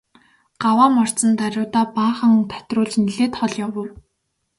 Гаваа мордсон даруйдаа баахан хатируулж нэлээд хол явав.